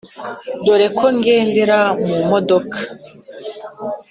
Dore ko ngendera mu modoka